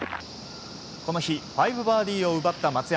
この日５バーディーを奪った松山。